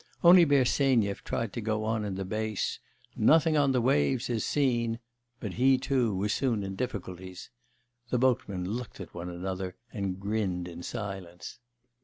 Only Bersenyev tried to go on in the bass, 'Nothing on the waves is seen,' but he, too, was soon in difficulties. The boatmen looked at one another and grinned in silence.